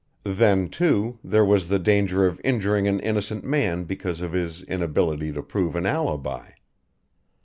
Then, too, there was the danger of injuring an innocent man because of his inability to prove an alibi.